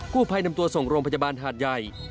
ผู้ภัยนำตัวส่งโรงพยาบาลหาดใหญ่